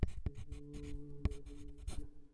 আমি ঠিক বুঝতে পারছি না।